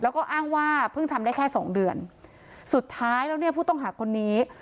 แล้วก็อ้างว่าเพิ่งทำได้แค่สองเดือนสุดท้ายแล้วเนี่ยผู้ต้องหาคนนี้